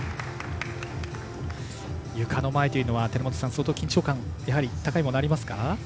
ゆかの前というのは緊張感が相当高いものありますか？